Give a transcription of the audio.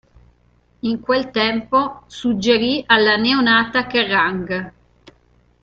In quel tempo, suggerì alla neonata Kerrang!